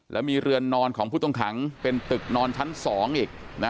แล้วมีเรือนนอนของผู้ต้องขังเป็นตึกนอนชั้น๒อีก